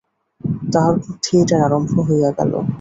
তাহার পর থিয়েটার আরম্ভ হইয়া গেল।